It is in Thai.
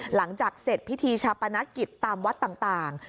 หลังจากเสร็จพิธีชาปนกิจตามวัดต่าง